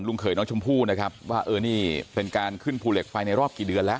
เขยน้องชมพู่นะครับว่าเออนี่เป็นการขึ้นภูเหล็กไฟในรอบกี่เดือนแล้ว